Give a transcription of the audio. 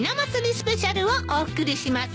スペシャルをお送りします。